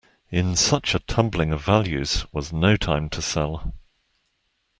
In such a tumbling of values was no time to sell.